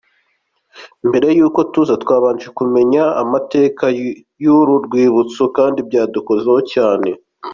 Mbere y’uko tuza twabanje kumenya amateka y’uru rwibutso kandi byadukozeho cyane.